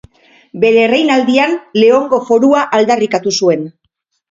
Bere erreinaldian Leongo Forua aldarrikatu zuen.